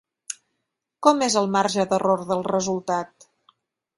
Com és el marge d'error del resultat?